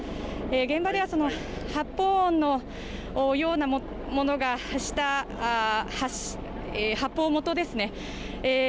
現場ではその発砲音のようなものが、発砲もとですね。